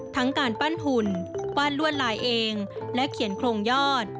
การปั้นหุ่นปั้นลวดลายเองและเขียนโครงยอด